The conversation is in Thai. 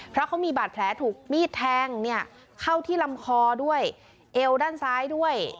เพราะเขามีบาดแผลถูกมีดแทงเนี่ยเข้าที่ลำคอด้วยเอวด้านซ้ายด้วย